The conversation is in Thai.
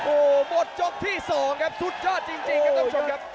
โอ้โหหมดยกที่๒ครับสุดยอดจริงครับท่านผู้ชมครับ